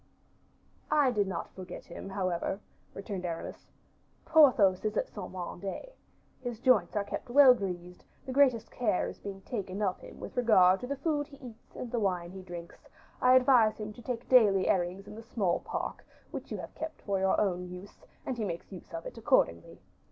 "I do not forget him, however," returned Aramis. "Porthos is at Saint Mande; his joints are kept well greased, the greatest care is being taken care of him with regard to the food he eats, and the wines he drinks; I advise him to take daily airings in the small park, which you have kept for your own use, and he makes us of it accordingly.